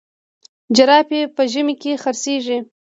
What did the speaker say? جراپي په ژمي کي خرڅیږي.